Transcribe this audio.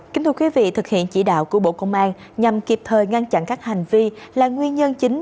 kính thưa quý vị thực hiện chỉ đạo của bộ công an nhằm kịp thời ngăn chặn các hành vi là nguyên nhân chính